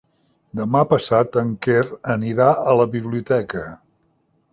Demà passat en Quer anirà a la biblioteca.